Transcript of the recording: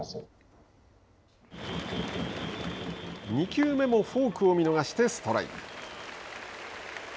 ２球目もフォークを見逃してストライク。